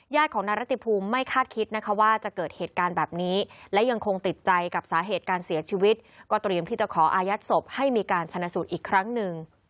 ของนายรติภูมิไม่คาดคิดนะคะว่าจะเกิดเหตุการณ์แบบนี้และยังคงติดใจกับสาเหตุการเสียชีวิตก็เตรียมที่จะขออายัดศพให้มีการชนะสูตรอีกครั้งหนึ่ง